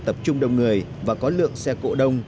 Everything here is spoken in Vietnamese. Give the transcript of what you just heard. tập trung đông người và có lượng xe cộ đông